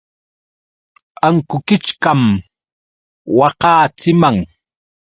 Ankukichkam waqaachiman.